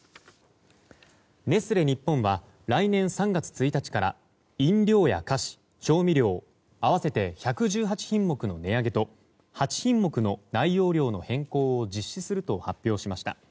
ネスレ日本は来年３月１日から飲料や菓子、調味料合わせて１１８品目の値上げと８品目の内容量の変更を実施すると発表しました。